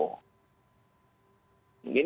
atau siapa atau pak jokowi sendiri begitu loh